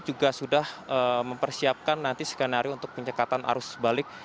juga sudah mempersiapkan nanti skenario untuk penyekatan arus balik